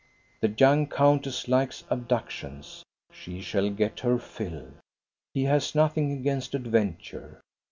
The young countess likes abductions. She shall get her fill. He has nothing against adventure.